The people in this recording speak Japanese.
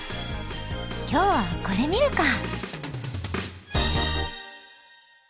今日はこれ見るかぁ！